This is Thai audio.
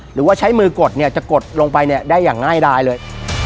หรือว่าใช้มือกดจะกดลงไปได้อย่างง่ายดายเลย